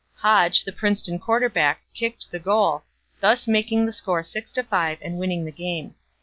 Hodge, the Princeton quarterback, kicked the goal, thus making the score 6 to 5 and winning the game.